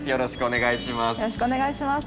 よろしくお願いします。